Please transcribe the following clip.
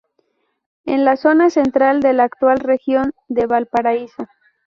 En la zona central de la actual Región de Valparaíso.